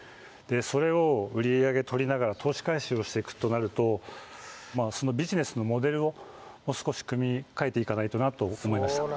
それを売上とりながら投資回収をしていくとなるとビジネスのモデルをもう少し組み変えていかないとなと思いました